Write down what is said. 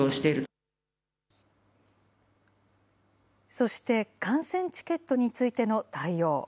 そして観戦チケットについての対応。